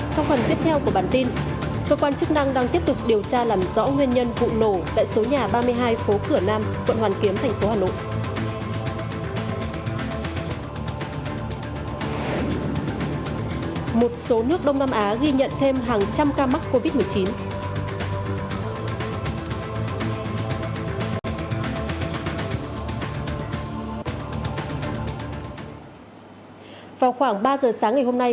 trong phần tiếp theo của bản tin cơ quan chức năng đang tiếp tục điều tra làm rõ nguyên nhân vụ nổ tại số nhà ba mươi hai phố cửa nam quận hoàn kiếm thành phố hà nội